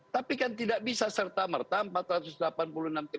tapi kan tidak bisa serta merta empat ratus delapan puluh enam triliun